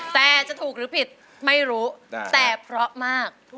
แต่จะถูกหรือผิดไม่รู้แต่เพราะมาก